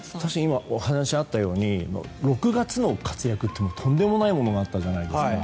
今、お話があったように６月の活躍ってとんでもないものがあったじゃないですか。